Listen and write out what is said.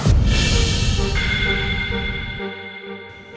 kenapa berhenti pak